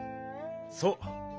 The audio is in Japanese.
そう。